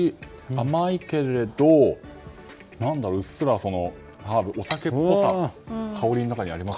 甘いけれど、うっすらハーブお酒っぽさが香りの中にあります。